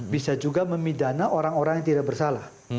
bisa juga memidana orang orang yang tidak bersalah